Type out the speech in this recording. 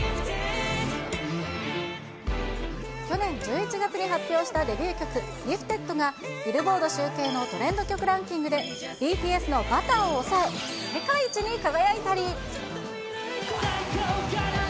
去年１１月に発表したデビュー曲、ギフテッドが、ビルボード集計のトレンド曲ランキングで、ＢＴＳのバターを抑え、世界一に輝いたり。